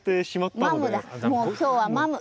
もう今日はマム。